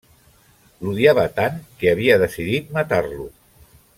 L'odiava tant que havia decidit matar-lo.